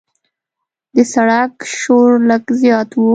د سړک شور لږ زیات و.